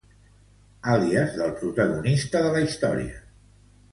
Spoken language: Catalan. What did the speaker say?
Àlies del protagonista de la història.